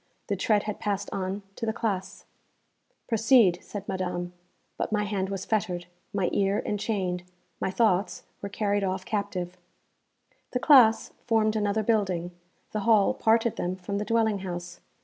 The tread had passed on to the classes. 'Proceed,' said Madame; but my hand was fettered, my ear enchained, my thoughts were carried off captive. The classes formed another building; the hall parted them from the dwelling house.